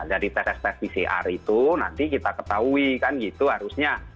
dari tes tes pcr itu nanti kita ketahui kan gitu harusnya